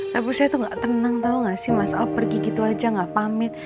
tapi saya tuh gak tenang tau gak sih mas oh pergi gitu aja gak pamit